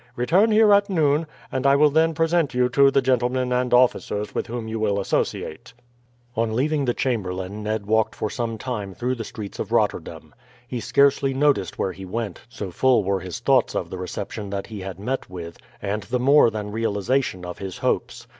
Return here at noon, and I will then present you to the gentlemen and officers with whom you will associate." On leaving the chamberlain Ned walked for some time through the streets of Rotterdam. He scarcely noticed where he went, so full were his thoughts of the reception that he had met with, and the more than realization of his hopes.